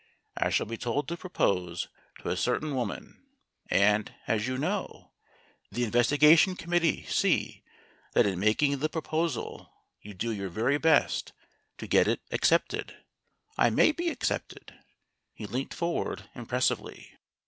I shall be told to propose to a certain CLUBS AND HEARTS 75 woman, and, as you know, the Investigation Com mittee see that in making the proposal you do your very best to get it accepted. I may be accepted." He leant forward impressively.